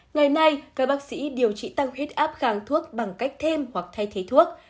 ngày nay các bác sĩ điều trị tăng huyết áp kháng thuốc bằng cách thêm hoặc thay thế thuốc